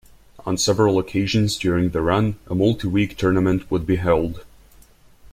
On several occasions during the run, a multi-week tournament would be held.